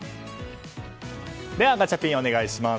では、ガチャピンお願いします。